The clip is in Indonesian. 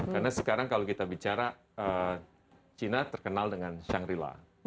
karena sekarang kalau kita bicara china terkenal dengan shangri la